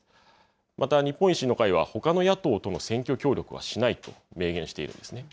また、日本維新の会はほかの野党との選挙協力はしないと明言しているんですね。